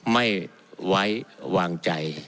ไม่ไว้วางใจ